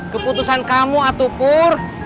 keputusan kamu atau pur